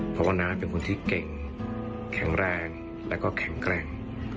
เพราะว่าน้าเป็นคนที่เก่งแข็งแรงแล้วก็แข็งแกร่ง